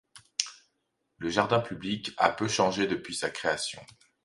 Le jardin public a peu changé depuis sa création.